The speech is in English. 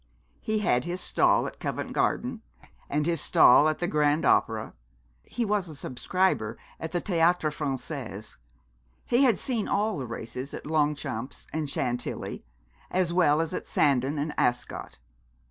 He had his stall at Covent Garden, and his stall at the Grand Opera. He was a subscriber at the Theatre Français. He had seen all the races at Longchamps and Chantilly, as well as at Sandown and Ascot.